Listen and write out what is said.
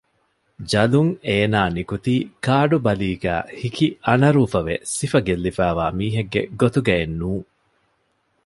ޖަލުން އޭނާ ނިކުތީ ކާޑު ބަލީގައި ހިކި އަނަރޫފަވެ ސިފަ ގެއްލިފައިވާ މީހެއްގެ ގޮތުގައެއް ނޫން